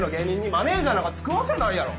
マネジャーなんかつくわけないやろ！